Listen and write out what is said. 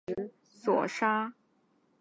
他是第十四任登丹人酋长所杀。